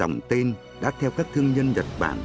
đồng tên đã theo các thương nhân nhật bản